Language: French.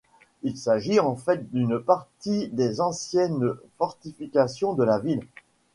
Il s'agit en fait d'une partie des anciennes fortifications de la ville.